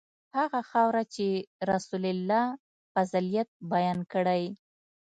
هغه خاوره چې رسول الله فضیلت بیان کړی.